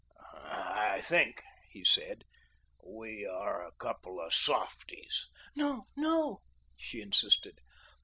"I think," he said, "we are a couple of softies." "No, no," she insisted.